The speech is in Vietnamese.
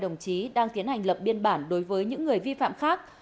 đối tượng và hai đồng chí đang tiến hành lập biên bản đối với những người vi phạm khác